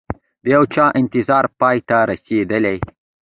د یوچا انتظار پای ته رسیدلي